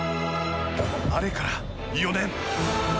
あれから４年。